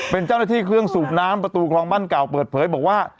เป็นเจ้าหน้าที่เครื่องสูบน้ำประตูคลองบ้านเก่าเปิดเผยบอกว่า